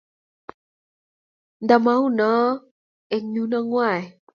Nta maounoe eng yuno ngwonge.